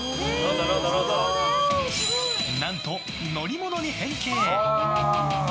何と、乗り物に変形！